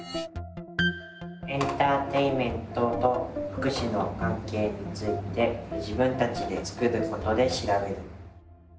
エンターテインメントと福祉の関係について自分たちで作ることで調べる。